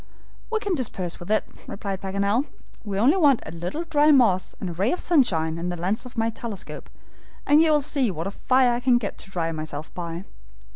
"We can dispense with it," replied Paganel. "We only want a little dry moss and a ray of sunshine, and the lens of my telescope, and you'll see what a fire I'll get to dry myself by.